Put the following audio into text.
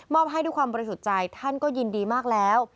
ให้ด้วยความบริสุทธิ์ใจท่านก็ยินดีมากแล้ว